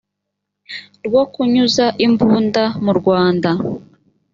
rwo kunyuza imbunda mu rwanda